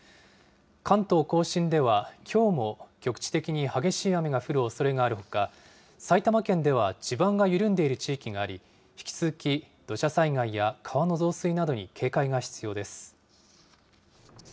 関東甲信では、きょうも局地的に激しい雨が降るおそれがあるほか、埼玉県では地盤が緩んでいる地域があり、引き続き土砂災害や川の増水などに警戒が必要です。